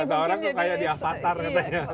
kata orang kok kayak di avatar katanya